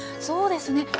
そうですね